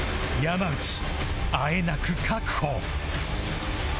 山内あえなく確保